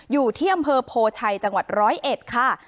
อยู่ที่อำเภอโพชัยจังหวัดร้อยเอ็ดค่ะ